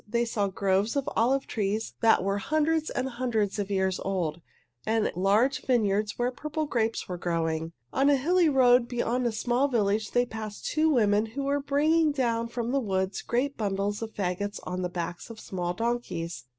They saw groves of olive trees that were hundreds and hundreds of years old, and large vineyards where purple grapes were growing. On a hilly road beyond a small village they passed two women who were bringing down from the woods great bundles of fagots on the backs of small donkeys.